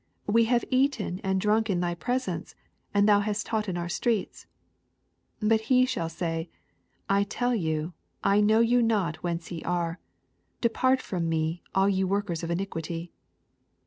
We have eaten and drunk in thy presenee, and thou hast taught in our streets, 27 But he shall say, I tell you, I know you not whence ye are j depart from me, all ye workers of iniquity.